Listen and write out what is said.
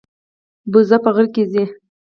بوزه په غره کې ځي.